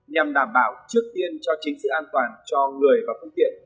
nhằm đảm bảo trước tiên cho chính sự an toàn cho người và phương tiện